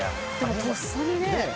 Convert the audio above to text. とっさにね。